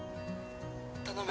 頼む！